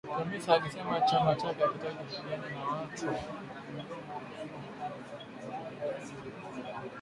Chamisa alisema chama chake hakitaki kupigana na watu